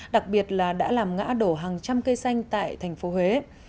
đặc biệt là đã làm ngã đổ hàng trăm cây xanh tại thành phố huế